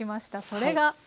それが。